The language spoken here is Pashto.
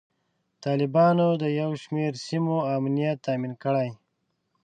طالبانو د یو شمیر سیمو امنیت تامین کړی.